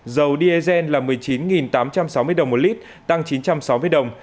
dầu diesel là một mươi chín tám trăm sáu mươi đồng một lít tăng chín trăm sáu mươi đồng